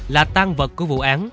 là tăng vật của vụ án